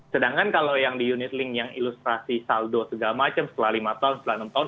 sedangkan kalau yang di unit link yang ilustrasi saldo segala macam setelah lima tahun setelah enam tahun